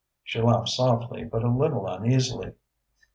She laughed softly but a little uneasily.